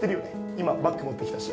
今バッグ持ってきたし・